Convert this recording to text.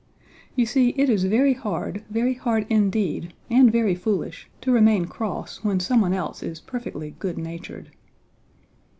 You see it is very hard, very hard indeed and very foolish, to remain cross when someone else is perfectly good natured.